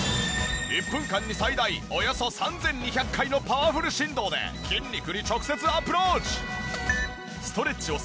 １分間に最大およそ３２００回のパワフル振動で筋肉に直接アプローチ！